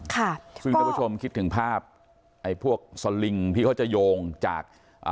คุณผู้ชมคิดถึงภาพไอ้พวกซอลลิงก์ที่เขาจะโยงจาก